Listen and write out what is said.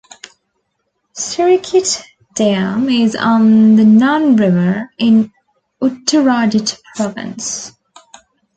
Sirikit Dam is on the Nan River in Uttaradit Province.